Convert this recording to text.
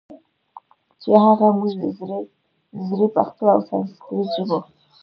چې هغه موږ د زړې پښتو او سانسکریت ژبو